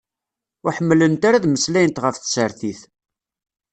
Ur ḥemmlent ara ad meslayent ɣef tsertit.